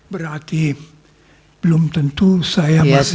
berarti belum tentu saya baca